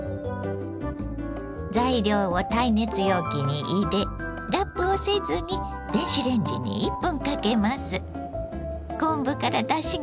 材料を耐熱容器に入れラップをせずに電子レンジに１分かけます。